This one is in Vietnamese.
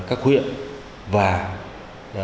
các phương các huyện